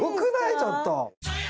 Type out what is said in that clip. ちょっと。